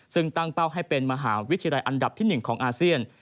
ซึ่งตั้งเป้าให้เป็นมหาวิทยาลัยอันดับที่๑ของอาเซียน